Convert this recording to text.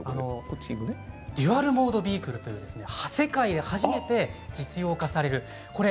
デュアル・モード・ビークルという、世界で初めて実用化される。